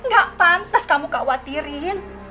gak pantas kamu khawatirin